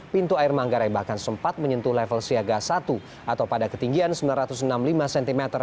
pintu air manggarai bahkan sempat menyentuh level siaga satu atau pada ketinggian sembilan ratus enam puluh lima cm